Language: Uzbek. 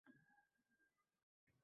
Tushga yaqin qizi mayishib keldi.